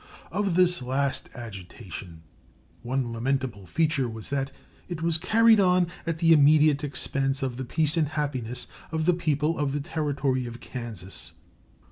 Of this last agitation, one lamentable feature was that it was carried on at the immediate expense of the peace and happiness of the people of the Territory of Kansas.